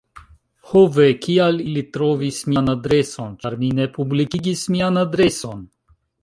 Ho ve, kial ili trovis mian adreson? ĉar mi ne publikigis mian adreson.